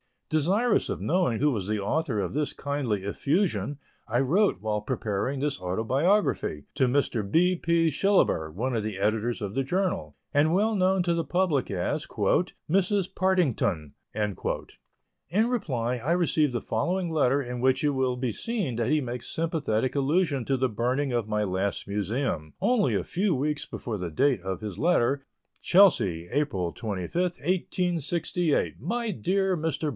Desirous of knowing who was the author of this kindly effusion, I wrote, while preparing this autobiography, to Mr. B. P. Shillaber, one of the editors of the journal, and well known to the public as "Mrs. Partington." In reply, I received the following letter in which it will be seen that he makes sympathetic allusion to the burning of my last Museum, only a few weeks before the date of his letter: CHELSEA, April 25, 1868. MY DEAR MR.